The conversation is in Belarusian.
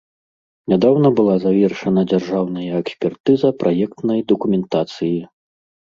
Нядаўна была завершана дзяржаўная экспертыза праектнай дакументацыі.